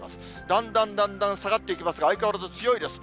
だんだんだんだん下がっていきますが、相変わらず強いです。